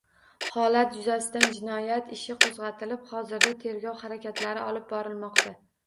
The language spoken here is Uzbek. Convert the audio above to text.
Holat yuzasidan jinoyat ishi qo‘zg‘atilib, hozirda tergov harakatlari olib borilmoqda